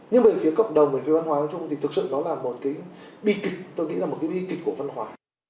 nhưng về phía cộng đồng về phía văn hóa thì thực sự đó là một cái bi kịch tôi nghĩ là một cái bi kịch của văn hóa